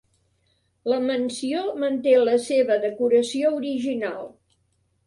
La mansió manté la seva decoració original.